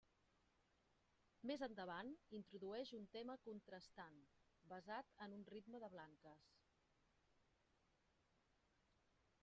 Més endavant, introdueix un tema contrastant, basat en un ritme de blanques.